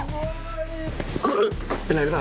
สามารถรับชมได้ทุกวัย